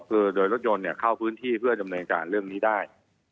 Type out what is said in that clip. คือโดยรถยนต์เข้าพื้นที่เพื่อดำเนินการเรื่องนี้ได้